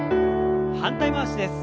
反対回しです。